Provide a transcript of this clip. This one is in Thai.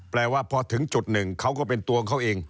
แปลว่าพอถึงจุดหนึ่งเขาก็เป็นตัวของเขาเอง